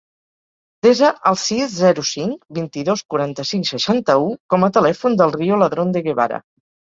Desa el sis, zero, cinc, vint-i-dos, quaranta-cinc, seixanta-u com a telèfon del Rio Ladron De Guevara.